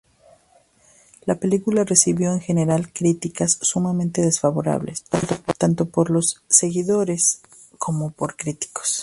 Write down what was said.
La película recibió en general críticas sumamente desfavorables, tanto por seguidores como por críticos.